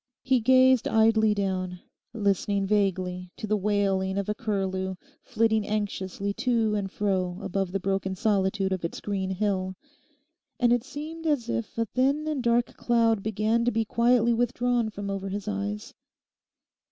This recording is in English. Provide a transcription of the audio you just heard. He gazed idly down, listening vaguely to the wailing of a curlew flitting anxiously to and fro above the broken solitude of its green hill. And it seemed as if a thin and dark cloud began to be quietly withdrawn from over his eyes.